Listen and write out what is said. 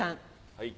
はい。